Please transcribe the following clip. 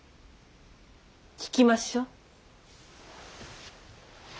聞きましょう。